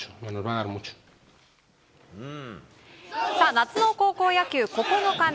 夏の高校野球９日目。